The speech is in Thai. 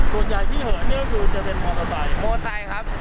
ส่วนใหญ่ที่เหินก็คือจะเป็นมอเตอร์ไซค์มอไซค์ครับ